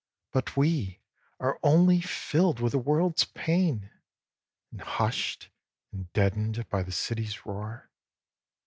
But we are only filled with the world's pain, And hushed and deadened by the city's roar.